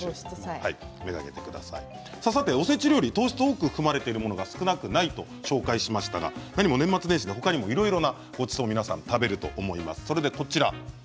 おせち料理には糖質が多く含まれているものが少なくないと紹介しましたが年末年始は他にもいろいろなごちそうを皆さん食べると思います。